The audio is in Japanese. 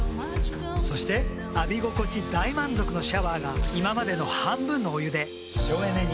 そして浴び心地大満足のシャワーが今までの半分のお湯で省エネに。